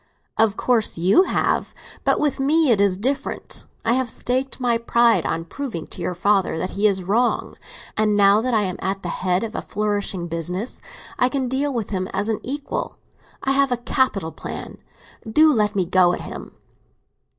"Of course you have. But with me it is different. I have staked my pride on proving to your father that he is wrong; and now that I am at the head of a flourishing business, I can deal with him as an equal. I have a capital plan—do let me go at him!"